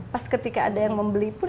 pas ketika ada yang membeli pun